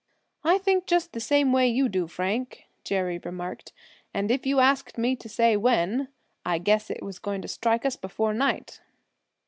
"I think just the same way you do, Frank," Jerry remarked; "and if you asked me to say when, I'd guess it was going to strike us before night."